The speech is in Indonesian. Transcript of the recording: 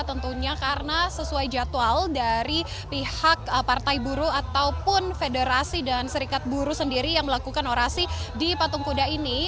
tentunya karena sesuai jadwal dari pihak partai buruh ataupun federasi dan serikat buruh sendiri yang melakukan orasi di patung kuda ini